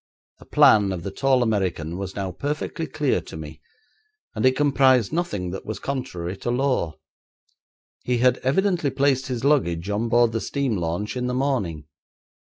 The plan of the tall American was now perfectly clear to me, and it comprised nothing that was contrary to law. He had evidently placed his luggage on board the steam launch in the morning.